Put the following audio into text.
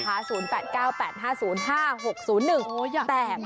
อยากดูน่ะ